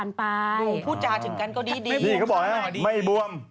ไม่บวม